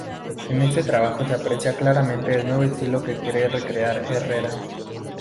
En este trabajo se aprecia claramente el nuevo estilo que quiere recrear Herrera.